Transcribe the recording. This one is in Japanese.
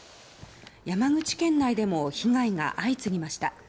山口県内でも被害が相次ぎました。